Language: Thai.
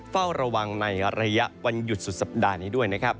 เฝ้าระวังในระยะวันหยุดสุดสัปดาห์นี้ด้วยนะครับ